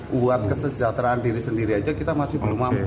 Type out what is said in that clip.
buat kesejahteraan diri sendiri aja kita masih belum mampu